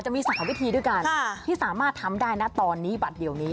มี๓วิธีด้วยกันที่สามารถทำได้นะตอนนี้บัตรเดียวนี้